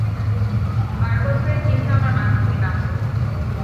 বার বছরের চিন্তা আমার মাথা থেকে নামল।